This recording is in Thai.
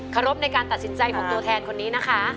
รบในการตัดสินใจของตัวแทนคนนี้นะคะ